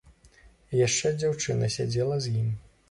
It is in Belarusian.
І яшчэ дзяўчына сядзела з ім.